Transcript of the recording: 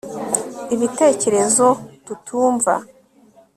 ibitekerezo tutumva